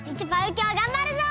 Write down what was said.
きょうがんばるぞ！